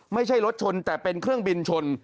ไม่ใช่รถชนแต่เป็นเครื่องบินชน